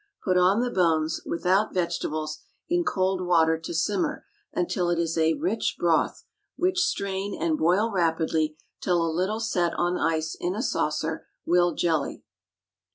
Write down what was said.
Put on the bones, without vegetables, in cold water to simmer until it is a rich broth, which strain, and boil rapidly till a little set on ice in a saucer will jelly.